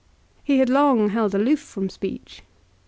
He had long held aloof from speech.